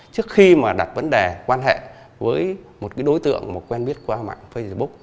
trước khi mà đặt vấn đề quan hệ với một cái đối tượng mà quen biết qua mạng facebook